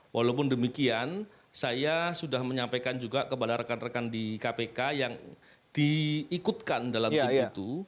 walaupun demikian saya sudah menyampaikan juga kepada rekan rekan di kpk yang diikutkan dalam tim itu